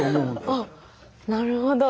あなるほど。